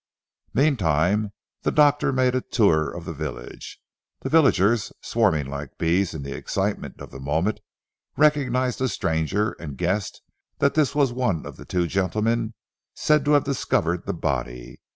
Meantime the doctor made a tour of the village. The villagers, swarming like bees in the excitement of the moment, recognised a stranger, and guessed that this was one of the two gentlemen said to have discovered the body.